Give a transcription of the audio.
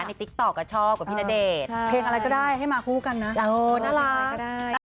ติ๊กต๊อกก็ชอบกับพี่ณเดชน์เพลงอะไรก็ได้ให้มาคู่กันนะน่ารัก